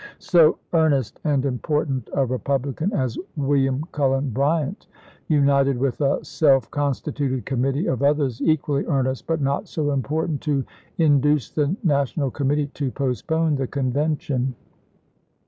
So earnest and important a Eepublican as William Cullen Bryant united with a self constituted committee of others equally earnest, but not so important, to 58 ABRAHAM LINCOLN chap. in. induce the National Committee to postpone the Convention.